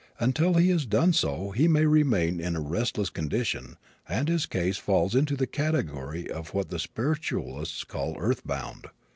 Until he has done so he may remain in a restless condition and his case falls into the category of what the spiritualists call "earth bound."